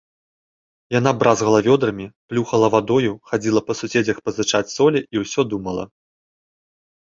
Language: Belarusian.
Яна бразгала вёдрамі, плюхала вадою, хадзіла па суседзях пазычыць солі і ўсё думала.